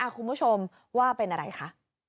คุณผู้ชมว่าเป็นอะไรคะ